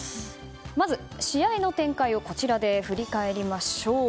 まず試合の展開をこちらで振り返りましょう。